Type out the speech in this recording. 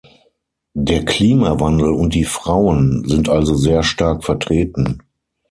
Der Klimawandel und die Frauen sind also sehr stark vertreten.